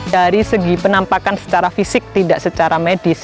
dari segi penampakan secara fisik tidak secara medis